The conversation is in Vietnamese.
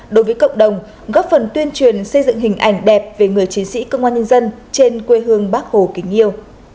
đối với cộng đồng góp phần tuyên truyền xây dựng hình ảnh đẹp về người chiến sĩ công an nhân dân trên quê hương bắc hồ kính yêu